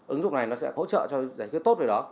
ứng dụng này nó sẽ hỗ trợ cho giải quyết tốt về đó